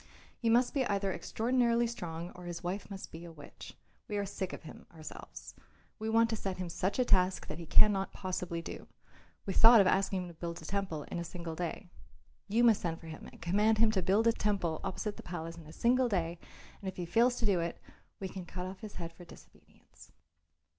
He must either be extraordinarily strong or his wife must be a witch. We are sick of him ourselves. We want to set him such a task that he cannot possibly do. We thought of asking him to build a temple in a single day. You must send for him and command him to build a temple opposite the palace in a single day, and if he fails to do it, we can cut off his head for disobedience."